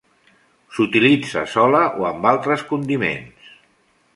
S'utilitza sola o amb altres condiments.